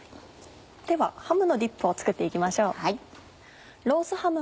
ではハムのディップを作って行きましょう。